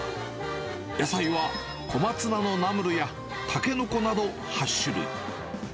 野菜は、小松菜のナムルやタケノコなど８種類。